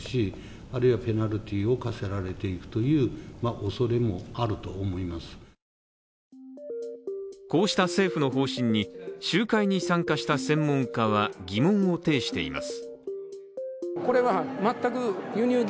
この状況に政府の見解はこうした政府の方針に集会に参加した専門家は疑問を呈しています。